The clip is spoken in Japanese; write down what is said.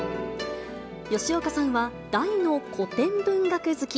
吉岡さんは、大の古典文学好き。